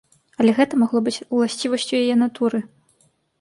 Але гэта магло быць уласцівасцю яе натуры.